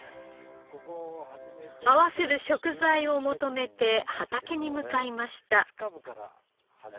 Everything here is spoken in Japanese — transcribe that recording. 合わせる食材を求めて畑に向かいました。